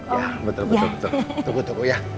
ya betul betul tunggu tunggu ya